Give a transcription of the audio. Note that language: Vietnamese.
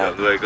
chở người cơ